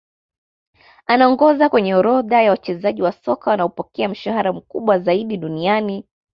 Anaongoza kwenye orodha ya wachezaji soka wanaopokea mshahara mkubwa zaidi duniani